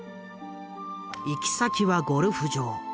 行き先はゴルフ場。